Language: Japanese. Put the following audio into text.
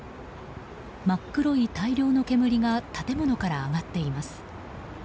真っ黒い大量の煙が建物から上がっています。